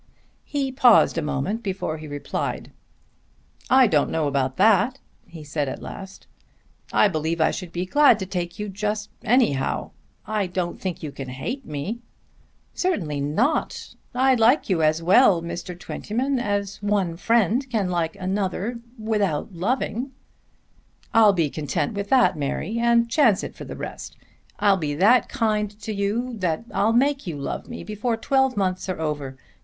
He paused a moment before he replied. "I don't know about that," he said at last. "I believe I should be glad to take you just anyhow. I don't think you can hate me." "Certainly not. I like you as well, Mr. Twentyman, as one friend can like another, without loving." "I'll be content with that, Mary, and chance it for the rest. I'll be that kind to you that I'll make you love me before twelve months are over.